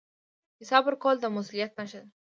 حساب ورکول د مسوولیت نښه ده